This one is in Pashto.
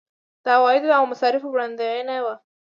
دا د عوایدو او مصارفو وړاندوینه وه.